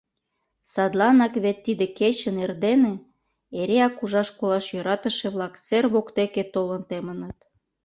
Садланак вет тиде кечын эрдене эреак ужаш-колаш йӧратыше-влак сер воктеке толын темыныт.